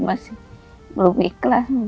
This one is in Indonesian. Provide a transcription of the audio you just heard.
masih belum ikhlas belum